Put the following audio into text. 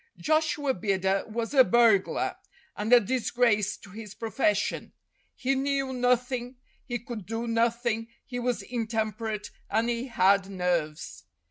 Joshua Bidder was a burglar, and a disgrace to his profession. He knew nothing, he could do nothing, he was intemperate, and he had nerves.